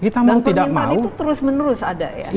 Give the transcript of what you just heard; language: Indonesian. dan permintaan itu terus menerus ada ya